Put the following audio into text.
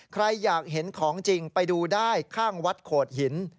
ใครอยากเห็นของจริงไปดูได้ข้างวัดโขดหิน